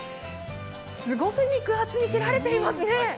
すごく肉厚に切られていますね。